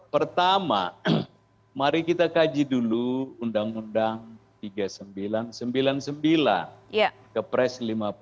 pertama mari kita kaji dulu undang undang tiga ribu sembilan ratus sembilan puluh sembilan ke pres lima ribu sembilan puluh tiga